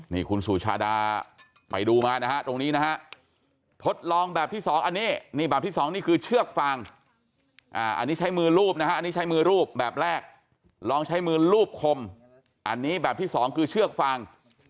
นี่คุณสุชาดาไปดูมานะฮะตรงนี้นะฮะทดลองแบบที่สองอันนี้นี่แบบที่สองนี่คือเชือกฟางอันนี้ใช้มือรูปนะฮะอันนี้ใช้มือรูปแบบแรกลองใช้มือรูปคมอันนี้แบบที่สองคือเชือกฟาง